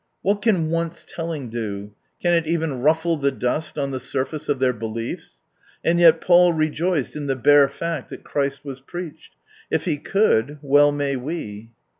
What can once telling do ? Can it even ruffle the dust on the surface of their beliefs? And yet Paul rejoiced in the bare fact that Christ was preached. If he could, well may we.